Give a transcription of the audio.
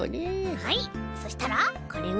はいそしたらこれを。